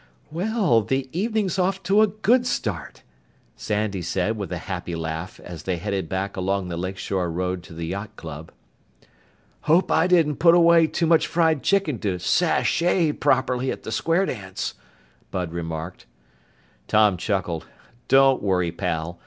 "Well, the evening's off to a good start," Sandy said with a happy laugh as they headed back along the lakeshore road to the yacht club. "Hope I didn't put away too much fried chicken to sashay properly at the square dance," Bud remarked. Tom chuckled. "Don't worry, pal.